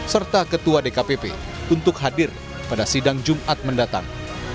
serta ketua dkpp untuk hadir pada sidang jumat mendatang